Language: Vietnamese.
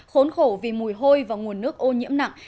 khốn khổ vì mùi hôi và nguồn nước ô nhiễm nặng